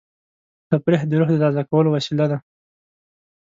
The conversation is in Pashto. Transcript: تفریح د روح د تازه کولو وسیله ده.